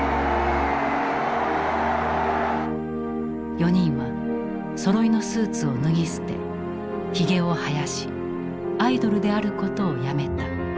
４人はそろいのスーツを脱ぎ捨てひげを生やしアイドルであることをやめた。